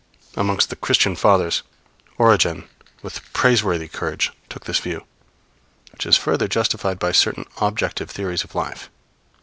Amongst the Christian Fathers, Origen, with praiseworthy courage, took this view, which is further justified by certain objective theories of life.